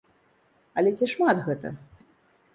Але ці шмат гэта?